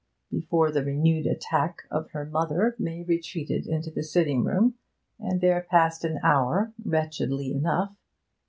Before the renewed attack of her mother May retreated into the sitting room, and there passed an hour wretchedly enough.